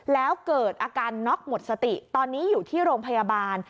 แล้วเกิดอาการน็อกหมดสติตอนนี้อยู่ที่โรงพยาบาล